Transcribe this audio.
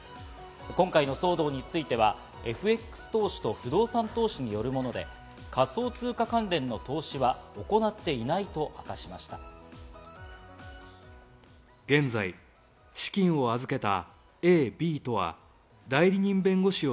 今回の騒動についてはＦＸ投資と不動産投資によるもので、仮想通貨関連の投資は行っていないと明かしました。